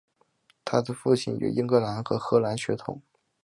她的父亲有英格兰和荷兰血统。